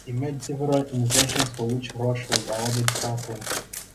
He made several inventions for which Roche was awarded patents.